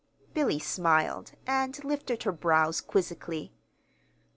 Billy smiled, and lifted her brows quizzically.